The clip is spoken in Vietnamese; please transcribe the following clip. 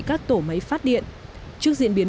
các tổ máy phát điện trước diễn biến